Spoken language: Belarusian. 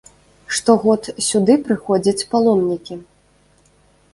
Штогод сюды прыходзяць паломнікі.